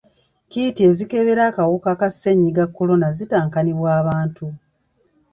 Kiiti ezikebera akawuka ka ssennyiga kolona zitankanibwa abantu.